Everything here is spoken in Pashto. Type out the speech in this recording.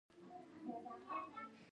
ومې ويل تا د ژوند پر مانا پوه کړم.